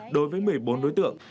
đối với một mươi bốn đối tượng